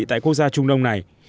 tại quốc gia trung đông này